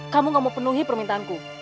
kamu gak mau penuhi permintaanku